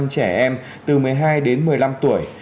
trẻ em từ một mươi hai đến một mươi năm tuổi